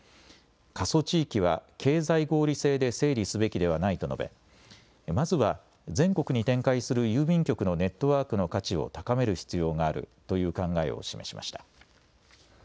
過疎地域は経済合理性で整理すべきではないと述べまずは全国に展開する郵便局のネットワークの価値を高める必要があるという考えを示しました。